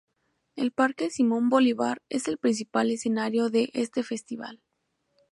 El parque Simón Bolívar es el principal escenario de este festival.